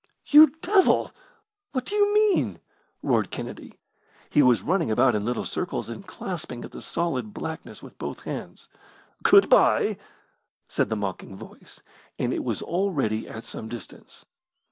"You devil, what do you mean?" roared Kennedy. He was running about in little circles and clasping at the solid blackness with both hands. "Good bye," said the mocking voice, and it was already at some distance.